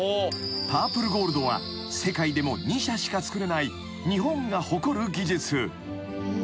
［パープルゴールドは世界でも２社しか作れない日本が誇る技術］